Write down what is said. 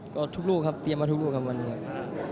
ก็ทุกลูกครับเตรียมมาทุกลูกครับวันนี้ครับ